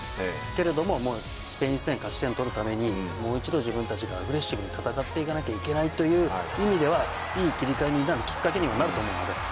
けれどもスペイン戦勝ち点を取るためにもう一度自分たちがアグレッシブに戦っていかなければいけないという意味ではいい切り替えになるきっかけになると思うんですよ。